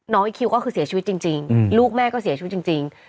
น้องอีฟคิวก็คือเสียชุดจริง